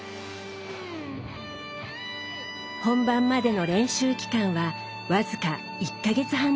本番までの練習期間は僅か１か月半でした。